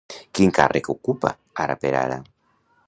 Quin càrrec ocupa ara per ara?